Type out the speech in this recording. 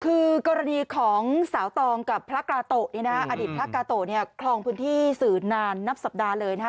คือกรณีของสาวตองกับพระกาโตะเนี่ยนะอดีตพระกาโตะเนี่ยคลองพื้นที่สื่อนานนับสัปดาห์เลยนะคะ